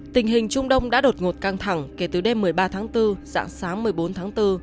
tình hình trung đông đã đột ngột căng thẳng kể từ đêm một mươi ba tháng bốn dạng sáng một mươi bốn tháng bốn